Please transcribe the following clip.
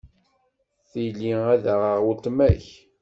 Tili ad aɣeɣ weltma-k.